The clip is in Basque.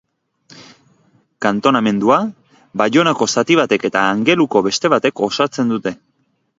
Kantonamendua Baionako zati batek eta Angeluko beste batek osatzen dute.